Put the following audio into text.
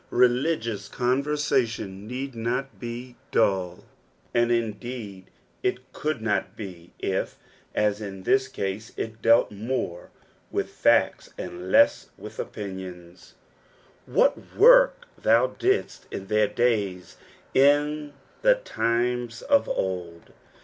BeligiouB coDVerBBtion need not b« dull, and indeed it could not be if, u in this cue, it dealt more with facta and lees with opiniona. "What vart tkat didtt in their dayt, in the time* of old."